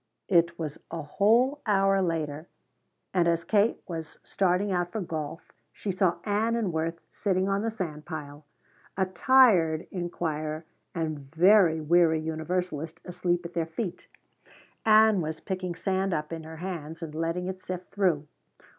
It was a whole hour later, and as Kate was starting out for golf she saw Ann and Worth sitting on the sandpile, a tired inquirer and very weary universalist asleep at their feet. Ann was picking sand up in her hands and letting it sift through.